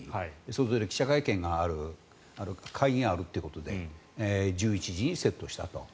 それぞれ記者会見がある会議があるということで１１時にセットしたと。